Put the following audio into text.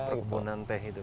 perkebunan teh itu